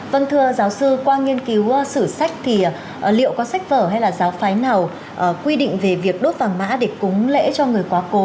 vâng thưa giáo sư qua nghiên cứu sử sách thì liệu có sách vở hay là giáo phái nào quy định về việc đốt vàng mã để cúng lễ cho người quá cố